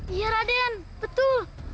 iya raden betul